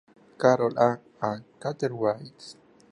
Carol A. Cartwright.